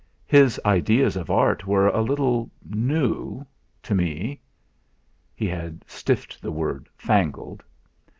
His ideas of art were a little new to me " he had stiffed the word 'fangled.'